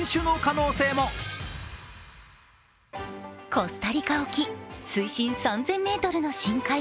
コスタリカ沖、水深３０００ｍの深海。